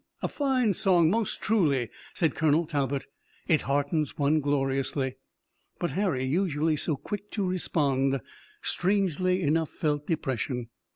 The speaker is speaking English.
A fine song most truly," said Colonel Talbot. "It heartens one gloriously!" But Harry, usually so quick to respond, strangely enough felt depression.